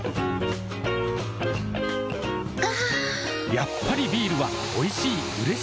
やっぱりビールはおいしい、うれしい。